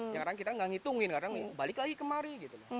ya kita tidak menghitungkan karena balik lagi kemari